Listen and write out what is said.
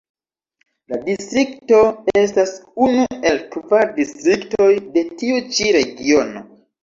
La distrikto estas unu el kvar distriktoj de tiu ĉi Regiono.